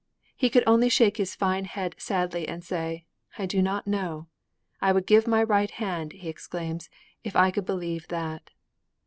He could only shake his fine head sadly and say, 'I do not know!' 'I would give my right hand,' he exclaims, 'if I could believe that!'